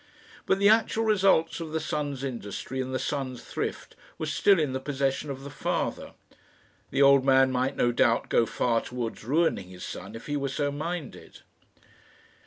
But the actual results of the son's industry and the son's thrift were still in the possession of the father. The old man might no doubt go far towards ruining his son if he were so minded.